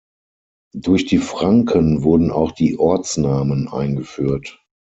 Durch die Franken wurden auch die Ortsnamen eingeführt.